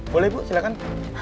boleh bu silahkan